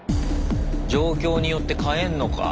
状況によって変えんのか。